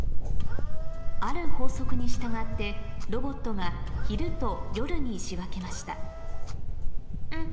ある法則に従ってロボットが昼と夜に仕分けましたん？